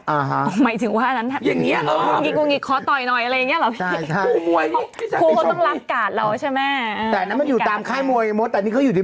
อ่าฮะอย่างนี้เออหมายถึงว่าคุณกิกกูกิต